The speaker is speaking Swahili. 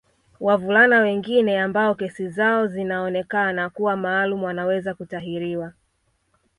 Wavulana wengine ambao kesi zao zinaonekana kuwa maalum wanaweza kutahiriwa